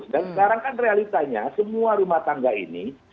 dan sekarang kan realitanya semua rumah tangga ini